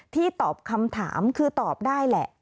ตอบคำถามคือตอบได้แหละ